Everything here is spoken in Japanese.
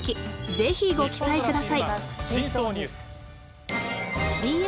是非ご期待ください。